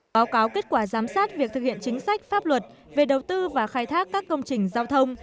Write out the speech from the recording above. báo cáo kết quả giám sát việc thực hiện chính sách pháp luật về đầu tư và khai thác các công trình giao thông